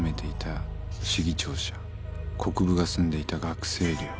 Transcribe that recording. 国府が住んでいた学生寮。